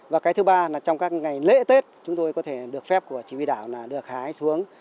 và cái thứ ba là trong các ngày lễ tết chúng tôi có thể được phép của chỉ huy đảo là được hái xuống